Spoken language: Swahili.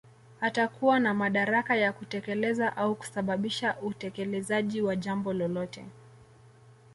Atakuwa na madaraka ya kutekeleza au kusababisha utekelezaji wa jambo lolote